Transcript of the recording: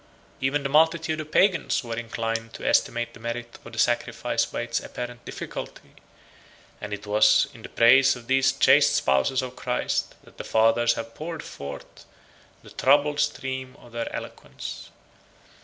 Even the multitude of Pagans were inclined to estimate the merit of the sacrifice by its apparent difficulty; and it was in the praise of these chaste spouses of Christ that the fathers have poured forth the troubled stream of their eloquence.